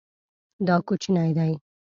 دا کوچنی دی